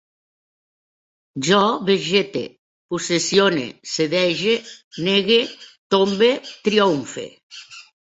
Jo vegete, possessione, sedege, negue, tombe, triomfe